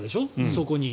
そこに。